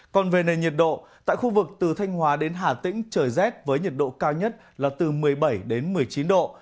còn về nền nhiệt độ tại khu vực từ thanh hóa đến hà tĩnh trời rét với nhiệt độ cao nhất là từ một mươi bảy đến một mươi chín độ